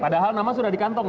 padahal nama sudah di kantong ya